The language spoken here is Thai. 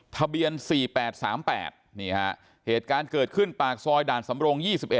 ทะเบียน๔๘๓๘นี่ฮะเหตุการณ์เกิดขึ้นปากซอยด่านสำรง๒๑